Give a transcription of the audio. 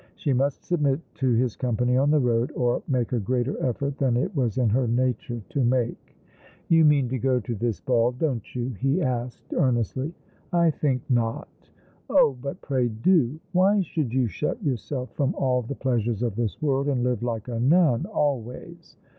She must submit to his company on the road, or make a greater effort than it was in her nature to make. " You mean to go to this ball, don't you ?" he asked earnestly. " I think not." " Oh, but pray do ! Why should you shut yourself from all the pleasures of this world, and live like a nun, always